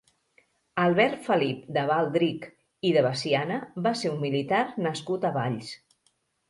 Albert Felip de Baldrich i de Veciana va ser un militar nascut a Valls.